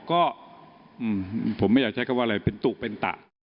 ก็ผมไม่อยากใช้คำว่าอะไรเป็นตุเป็นตะ